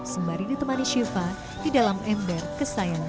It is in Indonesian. sembari ditemani syifa di dalam ember kesayangannya